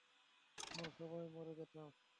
আমরা সবাই মরে যেতাম।